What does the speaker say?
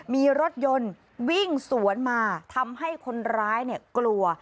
มีรถยนต์วิ่งสวนมาทำให้คนร้ายกลัว